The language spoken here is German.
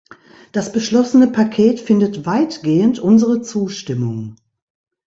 Das beschlossene Paket findet weitgehend unsere Zustimmung.